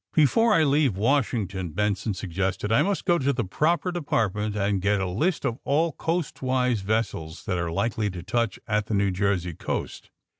'^^* Before I leave Washington,^' Benson sug* gested, ^^I must go to the proper department and get a list of all coastwise vessels that are likely to touch at the New Jersey coast.